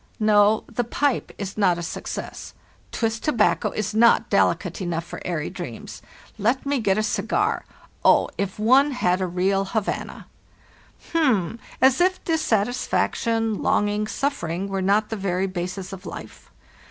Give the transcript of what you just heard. "No, the pipe is not a success. Twist tobacco is not delicate enough for airy dreams. Let me get a cigar. Oh, if one had a real Havana! "H'm! as if dissatisfaction, longing, suffering. were not the very basis of life.